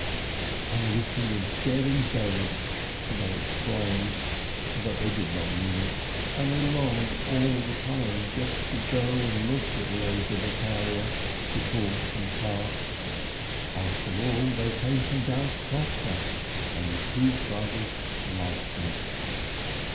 "I wish he were dead and buried!" they exclaimed, but they did not mean it, and they longed all the time just to go and look at Lezer the carrier, his horse and cart. After all, they came from Dalissovke, and the two brothers loved them.